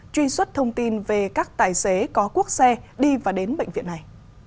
truy xuất thông tin về các tài xế có cuốc xe đi và đến bệnh viện này